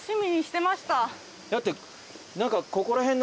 だって。